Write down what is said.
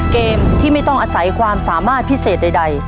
เกมที่ไม่ต้องอาศัยความสามารถพิเศษใด